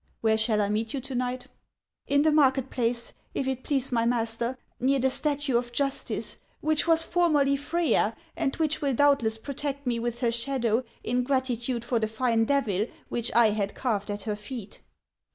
" Where shall I meet you to night ?"" In the market place, if it please my master, near the statue of Justice, which was formerly Freya, and which will doubtless protect me with her shadow, in gratitude for the fine devil which I had carved at her feet."